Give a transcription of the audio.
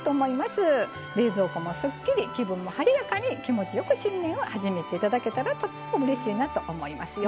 冷蔵庫もすっきり気分も晴れやかに気持ちよく新年を始めて頂けたらうれしいなと思いますよ。